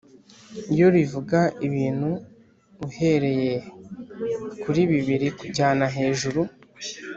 iyo rivuga ibintu uhereye kuri bibiri kujyana hejuru